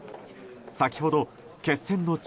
先ほど決戦の地